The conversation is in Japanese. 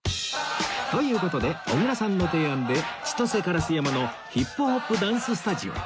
という事で小倉さんの提案で千歳烏山の ＨＩＰＨＯＰ ダンススタジオへ